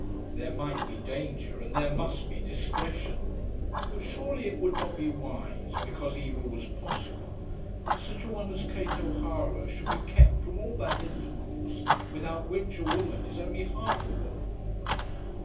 There might be danger and there must be discretion; but surely it would not be wise, because evil was possible, that such a one as Kate O'Hara should be kept from all that intercourse without which a woman is only half a woman!